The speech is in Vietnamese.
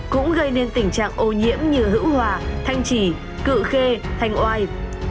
cũng gây nên tình trạng ô nhiễm như hữu hòa thanh trì cựu khê thanh oai